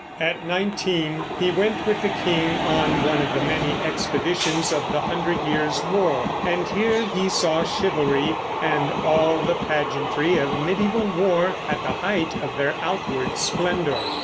At nineteen he went with the king on one of the many expeditions of the Hundred Years' War, and here he saw chivalry and all the pageantry of mediæval war at the height of their outward splendor.